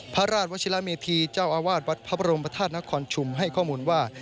พระราชวัชิระเมธีเจ้าอาวาสวัดพระบรมธาตุนครชุมให้ข้อมูลว่า